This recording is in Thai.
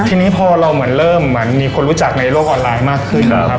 ทีนี้พอเราเหมือนเริ่มเหมือนมีคนรู้จักในโลกออนไลน์มากขึ้นนะครับ